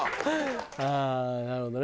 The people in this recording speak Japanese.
ああなるほどね。